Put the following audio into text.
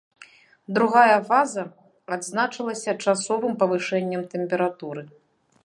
Другая фаза адзначылася часовым павышэннем тэмпературы.